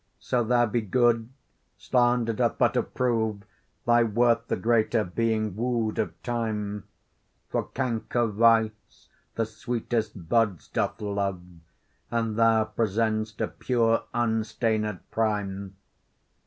So thou be good, slander doth but approve Thy worth the greater being woo'd of time; For canker vice the sweetest buds doth love, And thou present'st a pure unstained prime.